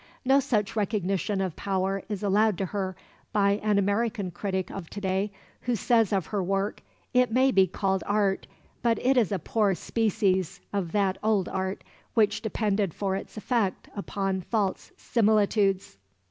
No such recognition of power is allowed to her by an American critic of to day, who says of her work "it may be called art, but it is a poor species of that old art which depended for its effect upon false similitudes."